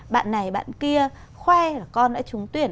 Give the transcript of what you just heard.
bạn này bạn kia khoe là con đã trúng tuyển